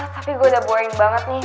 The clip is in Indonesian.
tapi gue udah boeing banget nih